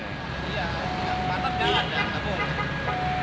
iya kalau tidak ada barang ya tidak boleh